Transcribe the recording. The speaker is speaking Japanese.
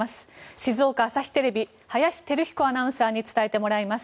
静岡朝日テレビ林輝彦アナウンサーに伝えてもらいます。